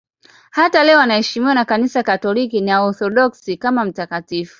Hata leo anaheshimiwa na Kanisa Katoliki na Waorthodoksi kama mtakatifu.